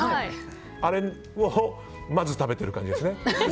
あれをまず食べてる感じですね。